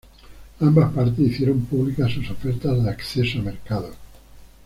Ambas partes hicieron públicas sus ofertas de acceso a mercados.